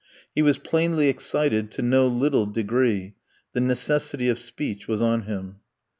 He was plainly excited to no little degree; the necessity of speech was on him.